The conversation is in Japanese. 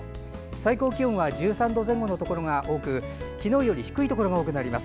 最高気温は１３度前後のところが多く昨日より低いところが多くなります。